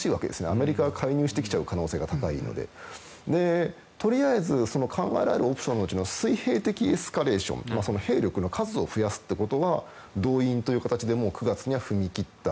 アメリカは介入してきちゃう可能性が高いのでとりあえず考えられるオプションのうちの水平的エスカレーション兵力の数を増やすということは動員という形で９月には踏み切った。